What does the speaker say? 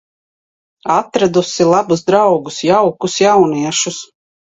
Atradusi labus draugus, jaukus jauniešus.